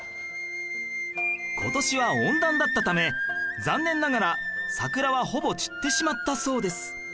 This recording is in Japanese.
今年は温暖だったため残念ながら桜はほぼ散ってしまったそうです